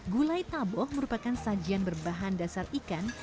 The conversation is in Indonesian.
gulai taboh merupakan sajian berbahan dasar ikan